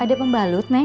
ada pembalut neng